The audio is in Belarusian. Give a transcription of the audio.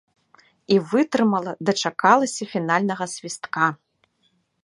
І вытрымала, дачакалася фінальнага свістка!